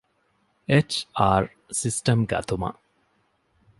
އެޗް.އާރް ސިސްޓަމް ގަތުމަށް